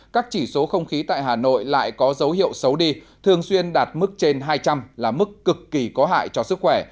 các chỉ số không khí tại hà nội lại có dấu hiệu xấu đi thường xuyên đạt mức trên hai trăm linh là mức cực kỳ có hại cho sức khỏe